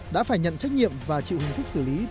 đã phải nhận trách nhiệm và chịu hình thức xử lý